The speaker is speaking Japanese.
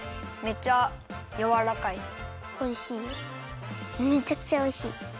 めちゃくちゃおいしい。